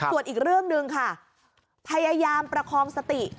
ส่วนอีกเรื่องหนึ่งค่ะพยายามประคองสติ